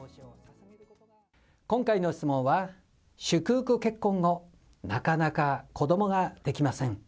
今回の質問は、祝福結婚後、なかなか子どもができません。